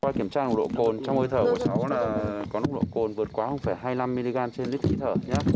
qua kiểm tra nồng độ cồn trong hơi thở của chúng là có nồng độ cồn vượt quá hai mươi năm mg trên lít khí thở